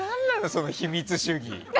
その秘密主義。